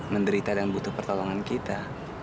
menderita dan butuh pertolongan kita